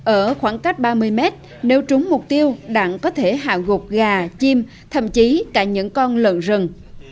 ở khoảng cách ba mươi mét nếu trúng mục tiêu đặng có thể hạ gục gà chim thậm chí cả những con lợn rừng